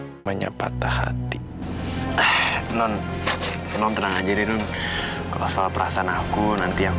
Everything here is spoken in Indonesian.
sampai jumpa di video selanjutnya